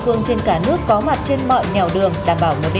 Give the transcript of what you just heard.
con chúc ba mẹ sống vui vẻ